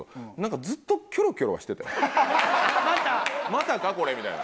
「またか？これ」みたいな。